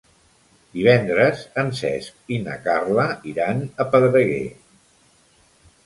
Divendres en Cesc i na Carla iran a Pedreguer.